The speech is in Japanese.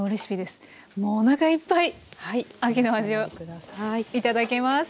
もうおなかいっぱい秋の味を頂けます。